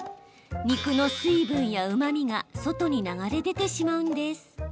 肉の水分やうまみが外に流れ出てしまうんです。